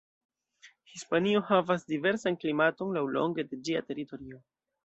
Hispanio havas diversan klimaton laŭlonge de ĝia teritorio.